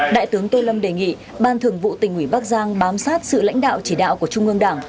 đại tướng tô lâm đề nghị ban thường vụ tỉnh ủy bắc giang bám sát sự lãnh đạo chỉ đạo của trung ương đảng